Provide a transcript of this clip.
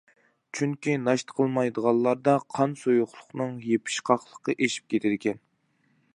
چۈنكى ناشتا قىلمايدىغانلاردا قان سۇيۇقلۇقىنىڭ يېپىشقاقلىقى ئېشىپ كېتىدىكەن.